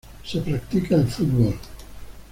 Se practica el fútbol.